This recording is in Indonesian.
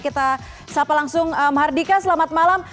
kita sapa langsung mahardika selamat malam